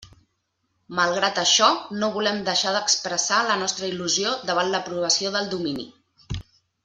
Malgrat això, no volem deixar d'expressar la nostra il·lusió davant l'aprovació del domini.